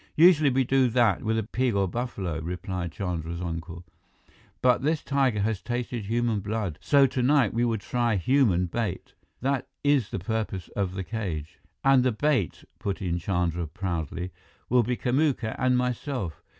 "Usually we do that with a pig or buffalo," replied Chandra's uncle, "but this tiger has tasted human blood. So tonight we will try human bait. That is the purpose of the cage." "And the bait," put in Chandra proudly, "will be Kamuka and myself.